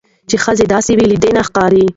چې ښځه داسې وي. له دې نه ښکاري